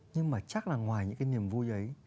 nhưng mà chắc là ngoài những cái niềm vui ấy